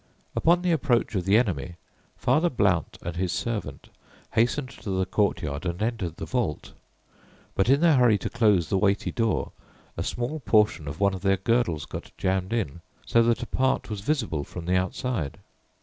Upon the approach of the enemy, Father Blount and his servant hastened to the courtyard and entered the vault; but in their hurry to close the weighty door a small portion of one of their girdles got jammed in, so that a part was visible from the outside.